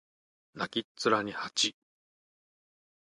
泣きっ面に蜂